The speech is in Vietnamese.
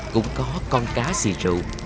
cũng có con cá xì rượu